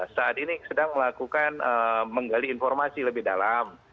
saat ini sedang melakukan menggali informasi lebih dalam